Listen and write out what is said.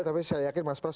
tapi saya yakin mas pras